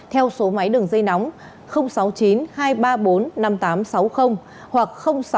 theo số máy đường dây nóng sáu mươi chín hai trăm ba mươi bốn năm nghìn tám trăm sáu mươi hoặc sáu mươi chín hai trăm ba mươi hai